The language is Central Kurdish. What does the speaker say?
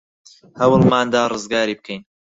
هەوڵمان دا ڕزگاری بکەین.